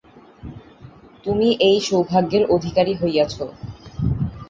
তুমি এই সৌভাগ্যের অধিকারী হইয়াছ।